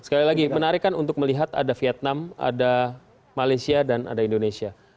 sekali lagi menarik kan untuk melihat ada vietnam ada malaysia dan ada indonesia